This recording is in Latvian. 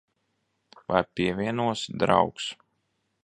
Vai pievienosi, draugs?